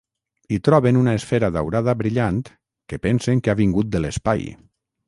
Hi troben una esfera daurada brillant que pensen que ha vingut de l'espai.